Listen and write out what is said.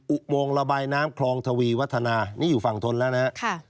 อุโมงระบายน้ำคลองทวีวัฒนานี่อยู่ฝั่งทนแล้วนะครับ